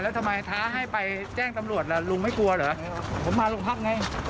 แล้วทำไมไม่มาตั้งแต่วันนั้นที่ผู้เสียหายเขาตกลงจะมา